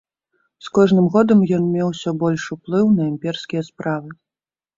З кожным годам ён меў усё больш уплыў на імперскія справы.